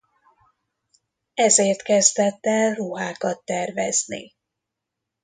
Ezért kezdett el ruhákat tervezni.